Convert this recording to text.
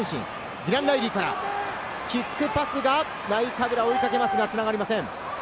ディラン・ライリーからキックパスがナイカブラ、追いかけますが繋がりません。